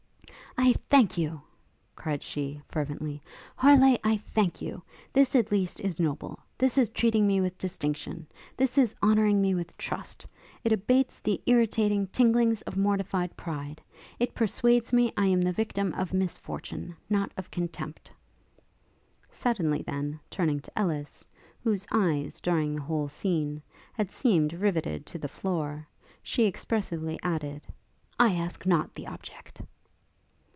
'I thank you!' cried she, fervently, 'Harleigh, I thank you! This, at least, is noble; this is treating me with distinction, this is honouring me with trust. It abates the irritating tinglings of mortified pride; it persuades me I am the victim of misfortune, not of contempt.' Suddenly, then, turning to Ellis, whose eyes, during the whole scene, had seemed rivetted to the floor, she expressively added, 'I ask not the object!'